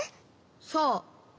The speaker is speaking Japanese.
そう。